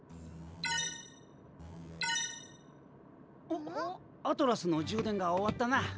おっアトラスの充電が終わったな。